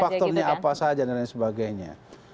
faktornya apa saja dan lain sebagainya